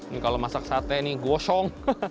ini kalau masak sate ini gosong